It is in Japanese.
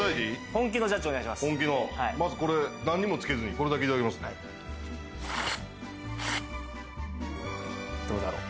本気のまずこれなんにもつけずにこれだけいただきますねどうだろう？